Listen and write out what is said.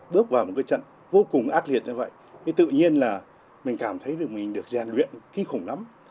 bước vào một cái trận vô cùng ác liệt như vậy tự nhiên là mình cảm thấy được mình được rèn luyện ký khủng lắm